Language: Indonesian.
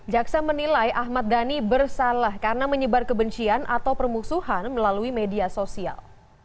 jaksa menilai ahmad dhani bersalah karena menyebar kebencian atau permusuhan melalui media sosial